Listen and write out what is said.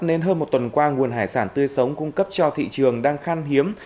nên hơn một tuần qua nguồn hải sản tươi sống cung cấp cho thị trường đang khan hiếm